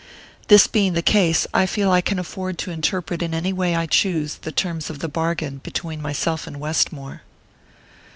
This being the case, I feel I can afford to interpret in any way I choose the terms of the bargain between myself and Westmore."